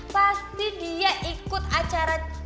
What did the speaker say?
pasti dia ikut acara